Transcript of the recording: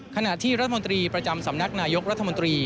ขณะที่รัฐมนตรีประจำสำนักนายกรัฐมนตรี